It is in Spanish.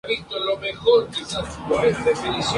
Al sur del núcleo urbano de Cardona.